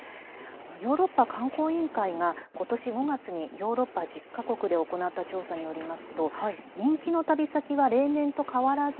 ヨーロッパ観光委員会が今年５月にヨーロッパ１０か国で行った調査によりますと人気の旅先は例年と変わらず